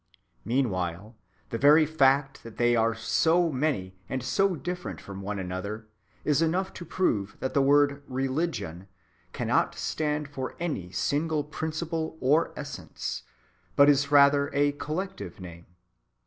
Meanwhile the very fact that they are so many and so different from one another is enough to prove that the word "religion" cannot stand for any single principle or essence, but is rather a collective name.